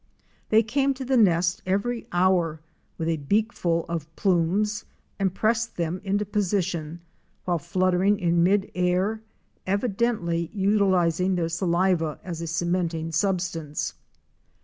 They came to the nest every hour with a beakful of plumes and pressed them into position while fluttering in mid air, evidently utilizing their saliva as a cementing substance.